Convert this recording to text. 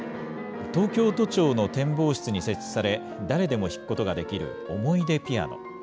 東京都庁の展望室に設置され、誰でも弾くことができる、おもいでピアノ。